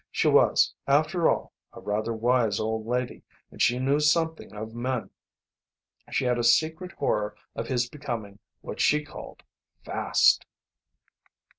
She was, after all, a rather wise old lady, and she knew something of men. She had a secret horror of his becoming what she called fast.